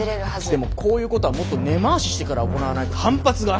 でもこういうことはもっと根回ししてから行わないと反発が。